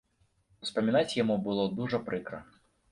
Успамінаць яму было дужа прыкра.